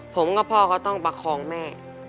ผมกับพ่อเขาต้องประคองแม่